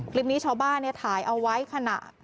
คลิปนี้ชาวบ้านถ่ายเอาไว้ขณะ